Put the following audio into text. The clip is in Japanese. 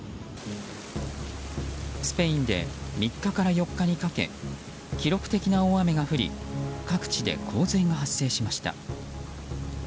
スペインで３日から４日にかけ記録的な大雨が降り各地で洪水が発生しました。